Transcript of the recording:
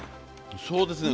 そうですね